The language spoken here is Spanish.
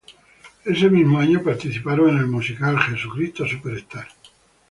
Ese mismo año, participaron en el musical "Jesucristo Superstar".